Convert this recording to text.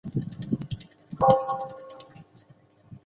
这十年间立体声技术被引入七号电视网。